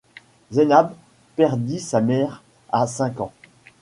Zaynab perdit sa mère à cinq ans.